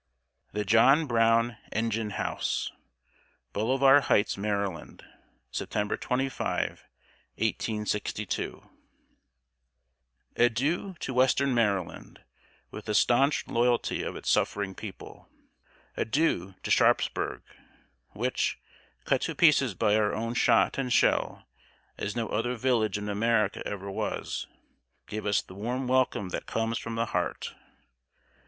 [Sidenote: THE JOHN BROWN ENGINE HOUSE.] BOLIVAR HIGHTS, MD., September 25, 1862. Adieu to western Maryland, with the stanch loyalty of its suffering people! Adieu to Sharpsburg, which, cut to pieces by our own shot and shell as no other village in America ever was, gave us the warm welcome that comes from the heart!